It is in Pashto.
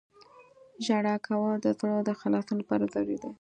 • ژړا کول د زړه د خلاصون لپاره ضروري ده.